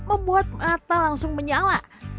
membuat mata langsung menyala